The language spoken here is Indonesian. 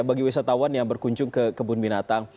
bagi wisatawan yang berkunjung ke kebun binatang